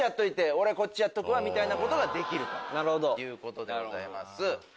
俺こっち！みたいなことができるということでございます。